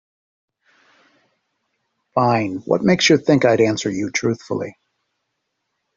Fine, what makes you think I'd answer you truthfully?